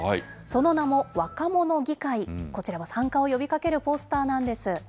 その名も若者議会、こちらが参加を呼びかけるポスターなんです。